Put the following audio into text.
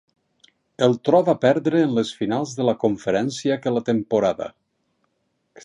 El tro va perdre en les finals de la conferència que la temporada.